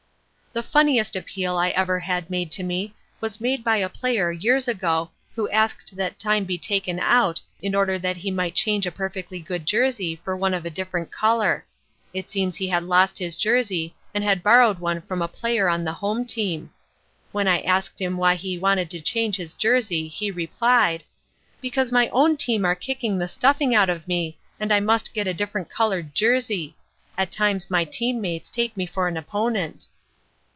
"The funniest appeal I ever had made to me was made by a player years ago who asked that time be taken out in order that he might change a perfectly good jersey for one of a different color. It seems he had lost his jersey and had borrowed one from a player on the home team. When I asked him why he wanted to change his jersey he replied: "'Because my own team are kicking the stuffing out of me and I must get a different colored jersey. At times my team mates take me for an opponent.'